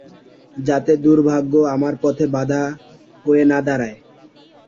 যাতে দুর্ভাগ্য আমার পথে বাঁধা হয়ে না দাঁড়ায়।